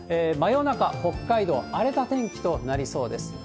真夜中、北海道、荒れた天気となりそうです。